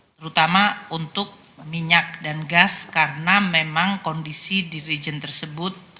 terutama untuk minyak dan gas karena memang kondisi di region tersebut